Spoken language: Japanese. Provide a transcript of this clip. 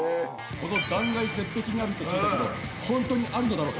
この断崖絶壁にあるって聞いたけどほんとにあるのだろうか？